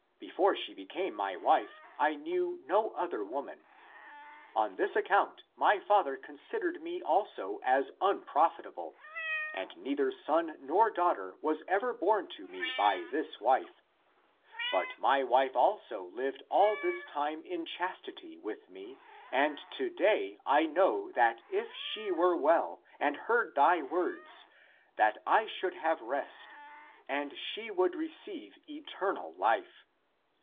Before she became my wife, I knew no other woman. On this account my father considered me also as unprofitable. And neither son nor daughter was ever born to me by this wife. But my wife also lived all this time in chastity with me, and to day I know that if she were well and heard thy words, that I should have rest and she would receive eternal life.